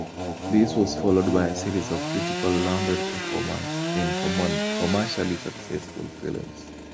This was followed by a series of critically lauded performances in commercially successful films.